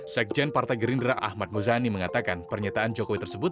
sekjen partai gerindra ahmad muzani mengatakan pernyataan jokowi tersebut